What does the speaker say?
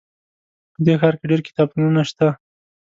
په دې ښار کې ډېر کتابتونونه شته